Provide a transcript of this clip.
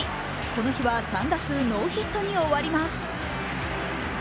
この日は３打数ノーヒットに終わります。